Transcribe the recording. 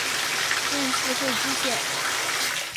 任四会知县。